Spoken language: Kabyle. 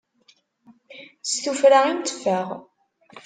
S tufra i nteffeɣ.